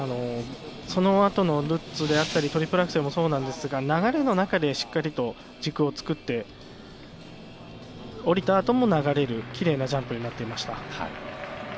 そのあとのルッツであったり、トリプルアクセルもそうなんですが、流れの中でしっかりと軸を作って、おりた後も流れるキレイなジャンプになっていました。